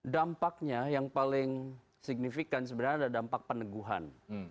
dampaknya yang paling signifikan sebenarnya ada dampak peneguhan